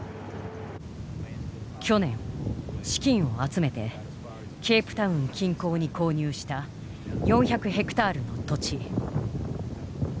去年資金を集めてケープタウン近郊に購入した４００ヘクタールの土地。